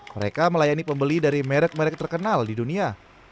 mereka melayani pembeli dari merek merek terkenal di dunia